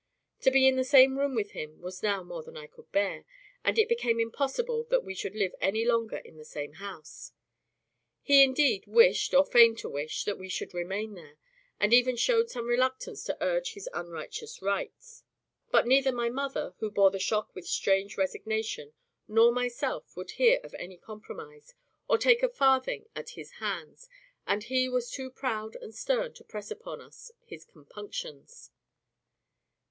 To be in the same room with him, was now more than I could bear, and it became impossible that we should live any longer in the same house. He, indeed, wished, or feigned to wish, that we should remain there, and even showed some reluctance to urge his unrighteous rights. But neither my mother (who bore the shock with strange resignation) nor myself would hear of any compromise, or take a farthing at his hands, and he was too proud and stern to press upon us his compunctions.